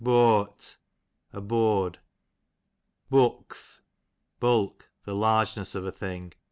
Booart, a board. Bookth, bulk, the largeness of a thing.